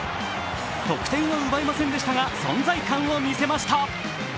得点は奪えませんでしたが、存在感を見せました。